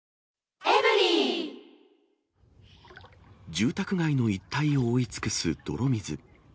住宅街の一帯を覆い尽くす泥水。